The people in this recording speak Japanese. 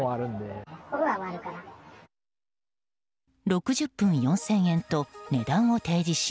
６０分４０００円と値段を提示し